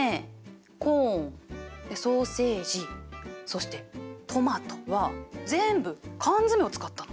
コーンソーセージそしてトマトは全部缶詰を使ったの。